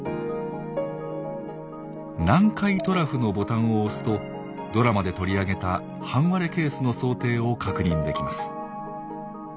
「南海トラフ」のボタンを押すとドラマで取り上げた半割れケースの想定を確認できます。